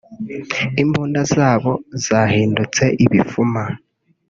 imbunda zabo zahindutse ibifuma